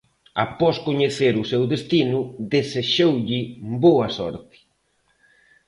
Após coñecer o seu destino desexoulle boa sorte.